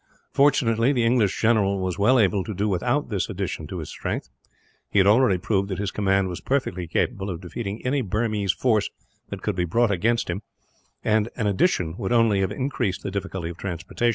Fortunately, the English general was well able to do without this addition to his strength. He had already proved that his command was perfectly capable of defeating any Burmese force that could be brought against him, and an addition would only have increased the difficulty of transport.